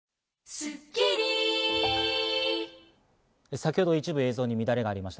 先ほど一部、映像に乱れがありました。